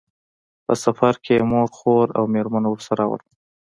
په سفر کې یې مور، خور او مېرمنه ورسره وو.